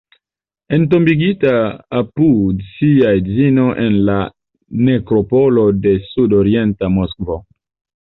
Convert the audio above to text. Entombigita apud sia edzino en la nekropolo de sud-okcidenta Moskvo.